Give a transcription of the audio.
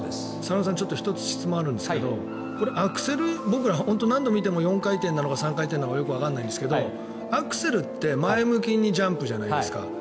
佐野さん１つ質問があるんですが僕ら何度見ても４回転なのか３回転なのかよくわからないんですけどアクセルって前向きにジャンプじゃないですか。